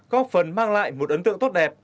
có phần mang lại một ấn tượng tốt đẹp